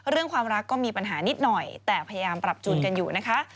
เรื่องความรักก็มีปัญหานิดหน่อยแต่พยายามปรับจูนกันอยู่นะคะ